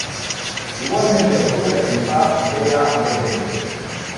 Igualmente ocurre en el par Ba-Bb.